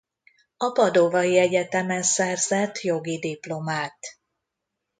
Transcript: A Padovai Egyetemen szerzett jogi diplomát.